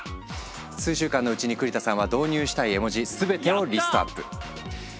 数週間のうちに栗田さんは導入したい絵文字全てをリストアップ。